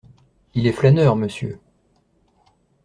Il est flâneur, monsieur…